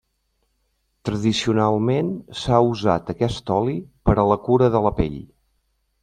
Tradicionalment s'ha usat aquest oli per a la cura de la pell.